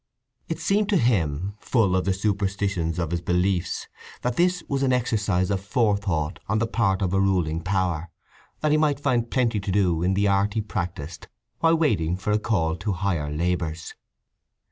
It seemed to him, full of the superstitions of his beliefs, that this was an exercise of forethought on the part of a ruling Power, that he might find plenty to do in the art he practised while waiting for a call to higher labours.